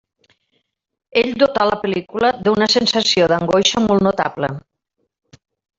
Ell dotà la pel·lícula d'una sensació d'angoixa molt notable.